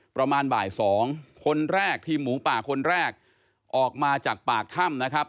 ประมาณบ่ายสองคนแรกทีมหมูป่าคนแรกออกมาจากปากถ้ำนะครับ